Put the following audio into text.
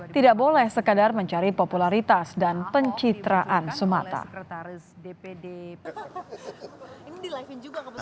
tidak boleh sekadar mencari popularitas dan pencitraan semata